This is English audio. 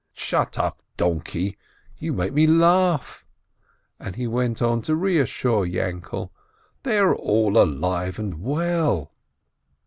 "Shut up, donkey ! You make me laugh," he went on, to reassure Yainkele, "they are all alive and well."